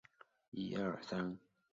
在场上司职中后卫。